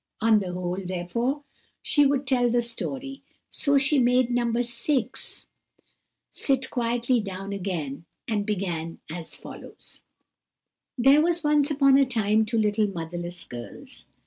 On the whole, therefore, she would tell the story, so she made No. 6 sit quietly down again, and began as follows:— "There were once upon a time two little motherless girls."